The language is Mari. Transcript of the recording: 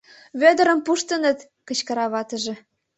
Вӧдырым пуштыныт! — кычкыра ватыже.